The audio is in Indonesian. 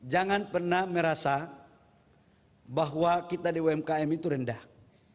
jangan pernah merasa bahwa kita di umkm itu rendah